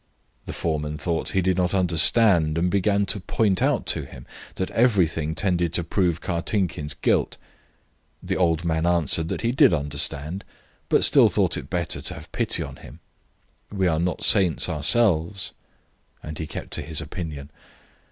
The foreman thought he did not understand, and began to point out to him that everything tended to prove Kartinkin's guilt. The old man answered that he did understand, but still thought it better to have pity on him. "We are not saints ourselves," and he kept to his opinion.